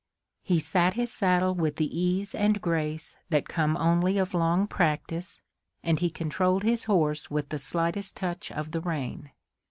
He sat his saddle with the ease and grace that come only of long practice, and he controlled his horse with the slightest touch of the rein.